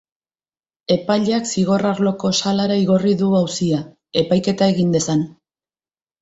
Epaileak zigor arloko salara igorri du auzia, epaiketa egin dezan.